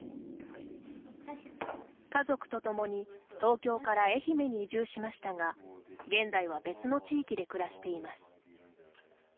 家族と共に東京から愛媛に移住しましたが現在は別の地域で暮らしています。